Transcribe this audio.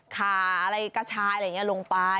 ขาอะไรกระชายอะไรอย่างนี้ลงไป